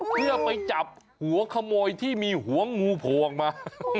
เพื่อไปจับหัวขโมยที่มีหัวงูภวงมา